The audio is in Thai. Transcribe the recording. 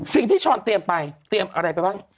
สิ่งที่ชอนเตรียมไปเตรียมอะไรไปบ้าง